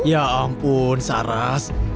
ya ampun saras